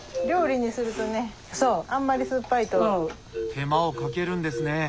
手間をかけるんですね。